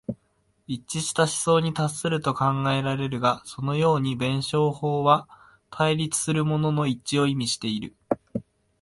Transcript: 一致した思想に達すると考えられるが、そのように弁証法は対立するものの一致を意味している。